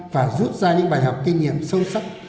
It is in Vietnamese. và rút ra những bài học kinh nghiệm sâu sắc